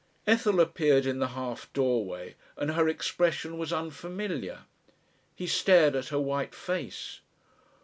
Ethel appeared in the half doorway and her, expression was unfamiliar. He stared at her white face.